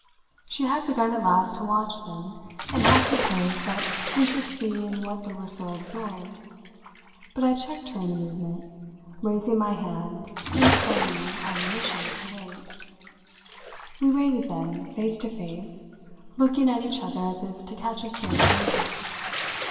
She had begun at last to watch them and had proposed that we should see in what they were so absorbed; but I checked her in the movement, raising my hand in a friendly admonition to wait. We waited then, face to face, looking at each other as if to catch a strain of music.